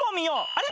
あれ？